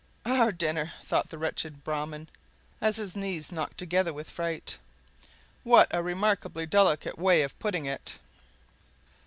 "Our dinner!" thought the wretched Brahman, as his knees knocked together with fright; "what a remarkably delicate way of putting it!"